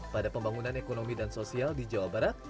pada pembangunan ekonomi dan sosial di jawa barat